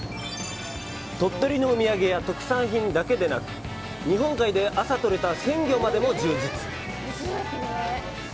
鳥取のお土産や特産品だけでなく、日本海で朝取れた鮮魚までも充実！